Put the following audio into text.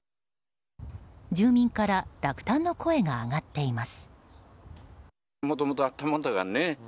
住民から落胆の声が上がっています。